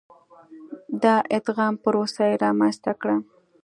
د ادغام پروسه یې رامنځته کړه.